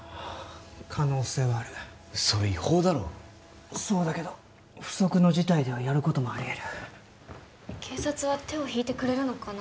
可能性はあるそれ違法だろそうだけど不測の事態ではやることもありえる警察は手を引いてくれるのかな？